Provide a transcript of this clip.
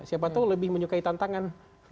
siapa tahu lebih menyukai tantangan